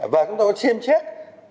và chúng ta có xem chắc